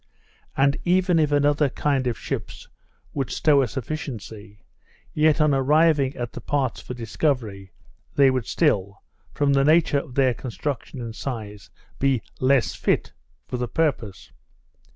And, even if another kind of ships could stow a sufficiency, yet on arriving at the parts for discovery, they would still, from the nature of their construction and size, be less fit for the purpose.